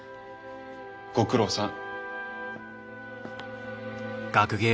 ご苦労さん。